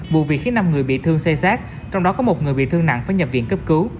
vụ việc khiến năm người bị thương xây sát trong đó có một người bị thương nặng phải nhập viện cấp cứu